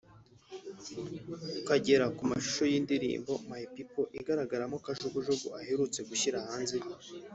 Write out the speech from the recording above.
ukagera ku mashusho y’indirimbo ‘My People’ igaragaramo kajugujugu aherutse gushyira hanze